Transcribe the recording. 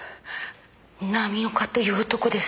浪岡という男です。